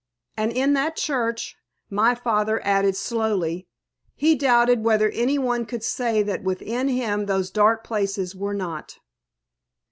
And in that church, my father added slowly, "he doubted whether any one could say that within him those dark places were not."